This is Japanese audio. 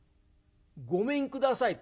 「ごめんください。